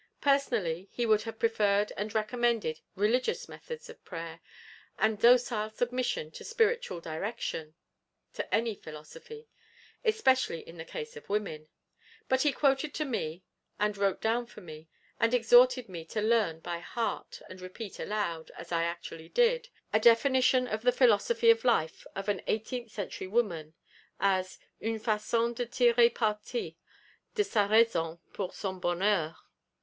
Personally he would have preferred and recommended Religious methods of prayer, and docile submission to spiritual direction, to any philosophy, especially in the case of women. But he quoted to me and wrote down for me, and exhorted me to learn by heart and repeat aloud (as I actually did), a definition of the philosophy of life of an Eighteenth century Woman, as 'Une façon de tirer parti de sa raison pour son bonheur.'